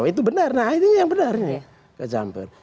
itu benar nah ini yang benar